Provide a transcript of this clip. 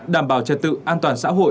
đảm bảo trật tự an toàn xã hội